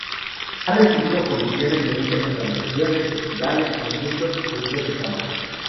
Ha recibido comisiones de muchas organizaciones, festivales, conjuntos y grupos de cámara.